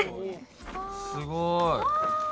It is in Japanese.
すごい。